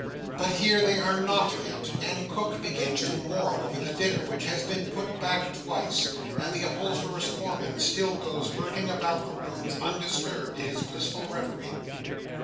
But here they are not yet; and Cook begins to mourn over the dinner, which has been put back twice, and the upholsterer's foreman still goes lurking about the rooms, undisturbed in his blissful reverie!